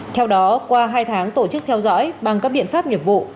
theo đó qua hai tháng tổ chức theo dõi bằng các biện pháp nghiệp vụ